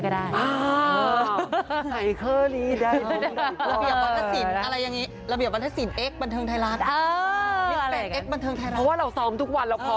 มากขึ้นไปอีก